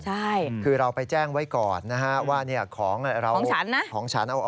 ใช่คือเราไปแจ้งไว้ก่อนนะฮะว่าเนี่ยของเรา